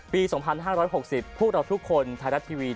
ปี๒๕๖๐พวกเราทุกคนไทยรัฐทีวี